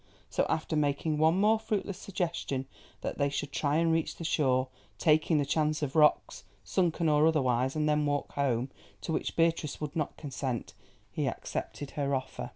So after making one more fruitless suggestion that they should try and reach the shore, taking the chance of rocks, sunken or otherwise, and then walk home, to which Beatrice would not consent, he accepted her offer.